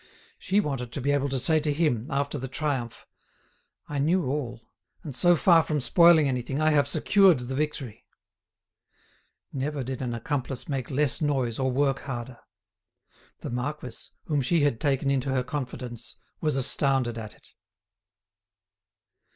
She wanted to be able to say to him, after the triumph: "I knew all, and so far from spoiling anything, I have secured the victory." Never did an accomplice make less noise or work harder. The marquis, whom she had taken into her confidence, was astounded at it.